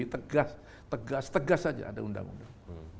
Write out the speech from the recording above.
tegas tegas tegas saja ada undang undang